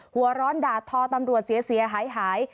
หัวร้อนด่าทอตำรวจเสียหายหาย